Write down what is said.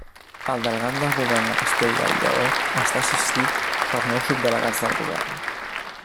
El delegat del Govern a Castella i Lleó està assistit per nou subdelegats del Govern.